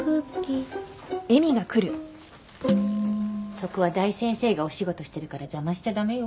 そこは大先生がお仕事してるから邪魔しちゃ駄目よ。